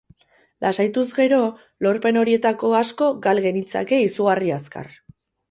Lasaituz gero, lorpen horietako asko gal genitzake izugarri azkar.